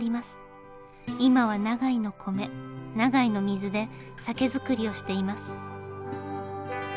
今は長井の米長井の水で酒造りをしています。